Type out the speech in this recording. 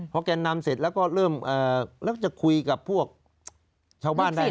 พอแก่นำเสร็จเราก็เริ่มจะคุยกับผูกชาวบ้านได้มั้ย